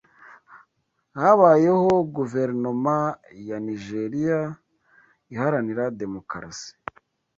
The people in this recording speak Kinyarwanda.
Habayeho guverinoma ya Nigeriya iharanira demokarasi